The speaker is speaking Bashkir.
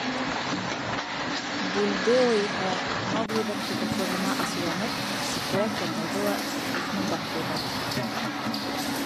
Бульдео иһә, Мауглиҙың тупаҫлығына асыуланып, ситкәрәк янтайҙы ла ыхмылдап ҡуйҙы.